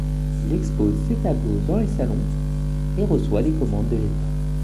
Il expose ses tableaux dans les salons, et reçoit des commandes de l'État.